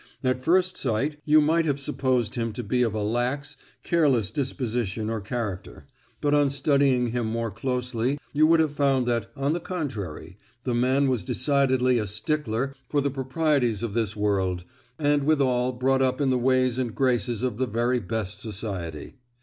At first sight you might have supposed him to be of a lax, careless disposition or character, but on studying him more closely you would have found that, on the contrary, the man was decidedly a stickler for the proprieties of this world, and withal brought up in the ways and graces of the very best society.